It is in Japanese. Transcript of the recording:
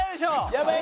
やばい！